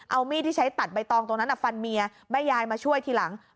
เอามีดที่ใช้ตัดใบตองตรงนั้นฟันเมียแม่ยายมาช่วยทีหลัง